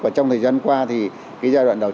và trong thời gian qua thì cái giai đoạn đầu